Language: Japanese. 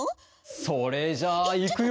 それじゃあいくよ！